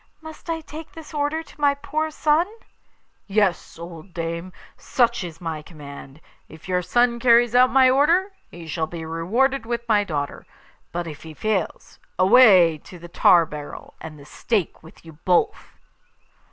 Must I take this order to my poor son?' 'Yes, old dame; such is my command. If your son carries out my order, he shall be rewarded with my daughter; but if he fails, away to the tar barrel and the stake with you both!